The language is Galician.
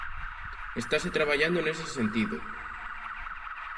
Estase traballando nese sentido.